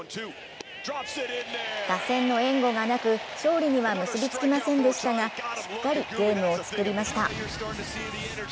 打線の援護がなく勝利には結びつきませんでしたがしっかりゲームを作りました。